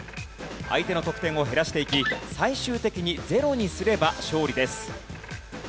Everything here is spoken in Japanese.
相手の得点を減らしていき最終的にゼロにすれば勝利です。